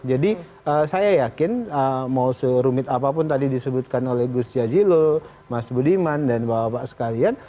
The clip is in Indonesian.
jadi saya yakin mau serumit apapun tadi disebutkan oleh gus yajilo mas budiman dan bapak bapak sekalian